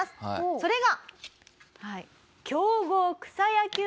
それが。